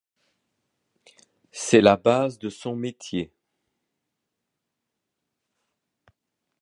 C’est la base de son métier.